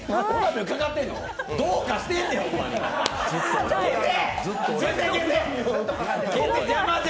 どうかしてるで！